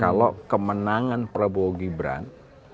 kalau kemenangan prabowo gibran